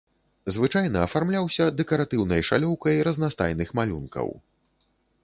Звычайна афармляўся дэкаратыўнай шалёўкай разнастайных малюнкаў.